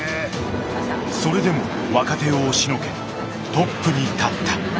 それでも若手を押しのけトップに立った。